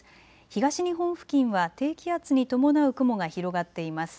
東日本付近は低気圧に伴う雲が広がっています。